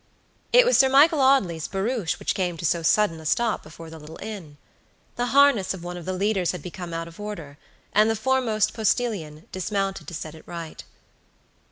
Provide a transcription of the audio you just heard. It was Sir Michael Audley's barouche which came to so sudden a stop before the little inn. The harness of one of the leaders had become out of order, and the foremost postillion dismounted to set it right.